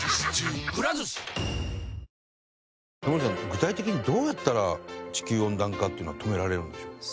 具体的にどうやったら地球温暖化っていうのは止められるんでしょうか？